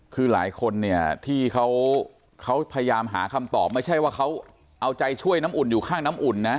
คือหลายคนเนี่ยที่เขาพยายามหาคำตอบไม่ใช่ว่าเขาเอาใจช่วยน้ำอุ่นอยู่ข้างน้ำอุ่นนะ